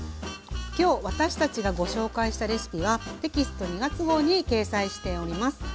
今日私たちがご紹介したレシピはテキスト２月号に掲載しております。